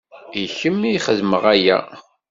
I kemm i xedmeɣ aya.